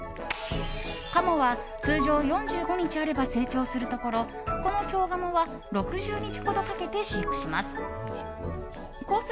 カモは通常４５日あれば成長するところこの京鴨は６０日ほどかけて飼育します。